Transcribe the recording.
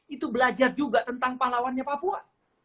itu belajar juga tentang pahlawannya papua